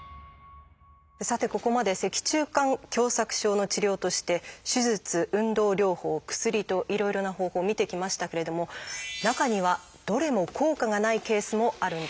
さてここまで脊柱管狭窄症の治療として手術運動療法薬といろいろな方法見てきましたけれども中にはどれも効果がないケースもあるんです。